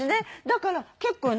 だから結構ね。